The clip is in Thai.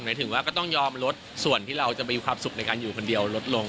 หมายถึงว่าก็ต้องยอมลดส่วนที่เราจะมีความสุขในการอยู่คนเดียวลดลง